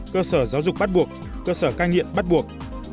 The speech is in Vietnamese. cơ sở giáo dục bắt buộc cơ sở cai nghiện bắt buộc